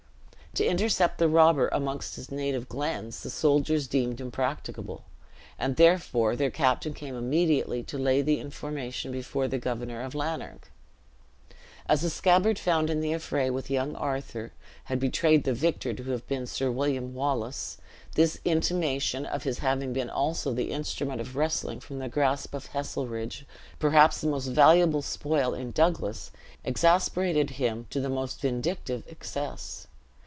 To intercept the robber amongst his native glens, the soldiers deemed impracticable, and therefore their captain came immediately to lay the information before the Governor of Lanark. As the scabbard found in the affray with young Arthur had betrayed the victor to have been Sir William Wallace, this intimation of his having been also the instrument of wrestling from the grasp of Heselrigge perhaps the most valuable spoil in Douglas exasperated him to the most vindictive excess.